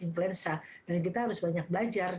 influenza dan kita harus banyak belajar